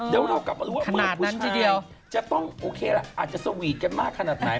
เดี๋ยวเรากลับมาดูว่ามือขุนทีเดียวจะต้องโอเคละอาจจะสวีทกันมากขนาดไหน